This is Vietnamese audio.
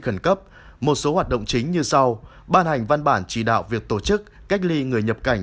khẩn cấp một số hoạt động chính như sau ban hành văn bản chỉ đạo việc tổ chức cách ly người nhập cảnh